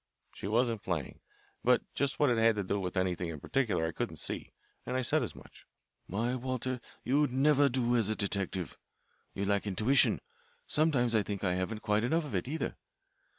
She wasn't playing, but just what it had to do with anything in particular I couldn't see, and I said as much. "Why, Walter, you'd never do as a detective. You lack intuition. Sometimes I think I haven't quite enough of it, either.